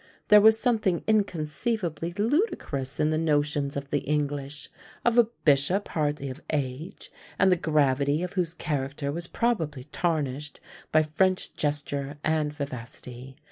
There was something inconceivably ludicrous in the notions of the English, of a bishop hardly of age, and the gravity of whose character was probably tarnished by French gesture and vivacity.